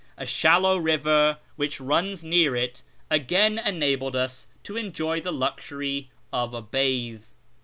A shallow river which runs near it again enabled us to enjoy the luxury of a bathe.